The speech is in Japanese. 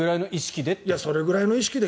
それぐらいの意識で。